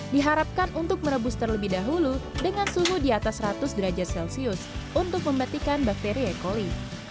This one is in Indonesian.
diharapkan untuk merebus terlebih dahulu dengan suhu di atas seratus derajat celcius untuk memetihkan bakteri e coli